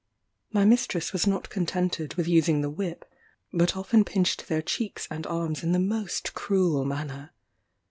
My mistress was not contented with using the whip, but often pinched their cheeks and arms in the most cruel manner.